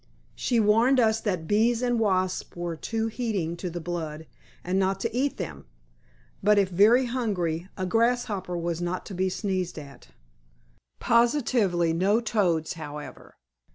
She warned us that bees and wasps were too heating to the blood, and not to eat them, but if very hungry, a grass hopper was not to be sneezed at; positively no toads, however.